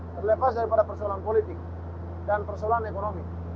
terlepas dari persoalan politik dan ekonomi